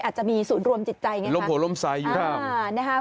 อาจจะมีสูญรวมจิตใจลมโผล่ลมสายอยู่ทาง